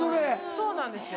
そうなんですよ。